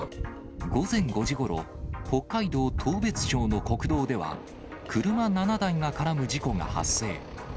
午前５時ごろ、北海道当別町の国道では、車７台が絡む事故が発生。